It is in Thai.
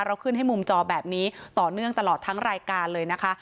ขึ้นให้มุมจอแบบนี้ต่อเนื่องตลอดทั้งรายการเลยนะคะ